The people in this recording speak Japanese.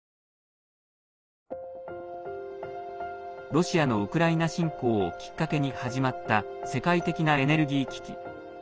ロシアのウクライナ侵攻をきっかけに始まった世界的なエネルギー危機。